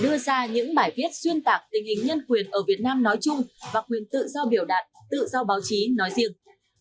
đưa ra những bài viết xuyên tạc tình hình nhân quyền ở việt nam nói chung và quyền tự do biểu đạt tự do báo chí nói riêng